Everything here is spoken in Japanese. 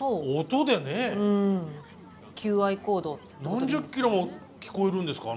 何十キロも聞こえるんですか？